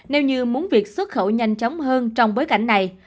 nếu như muốn việc xuất khẩu nhanh chóng hơn trong bối cảnh này